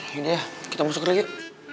ya udah ya kita masuk dulu yuk